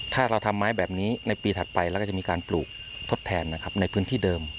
ถ้าเราทำไม้แบบนี้ในปีถัดไปเราก็จะมีการปลูกทดแทนนะครับในพื้นที่เดิม